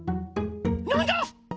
なんだ